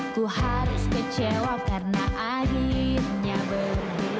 ku harus kecewa karena anginnya berhenti